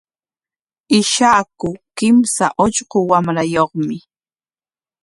Ishaku kimsa ullqu wamrayuqmi.